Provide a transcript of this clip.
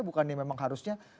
bukan yang memang harusnya